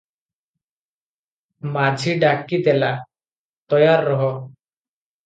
ମାଝି ଡାକି ଦେଲା, 'ତୟାରରହ' ।